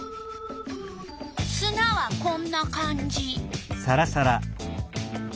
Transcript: すなはこんな感じ。